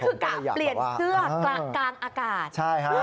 นี่คือกะเปลี่ยนเสื้อกรางกากอากาศ